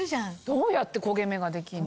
どうやって焦げ目ができんの？